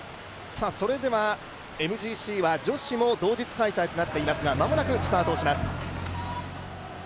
それではＭＧＣは女子も同日開催となっていますが間もなくスタートをします。